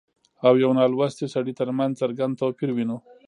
او يوه نالوستي سړي ترمنځ څرګند توپير وينو